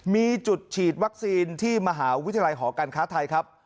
มีจุดฉีดวัคซีนที่มหาวิทยาลัยหอการค้าไทยครับ